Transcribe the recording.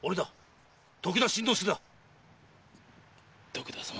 徳田様。